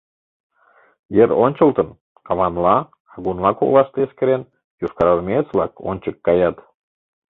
Йыр ончылтын, каванла, агунла коклаште эскерен, йошкарармеец-влак ончык каят.